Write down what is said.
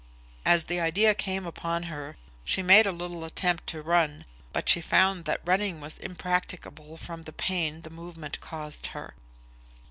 As the idea came upon her, she made a little attempt to run, but she found that running was impracticable from the pain the movement caused her.